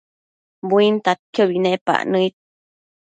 buintadquiobi nepac nëid